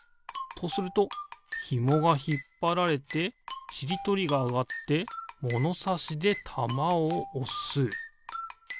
とするとひもがひっぱられてちりとりがあがってものさしでたまをおす。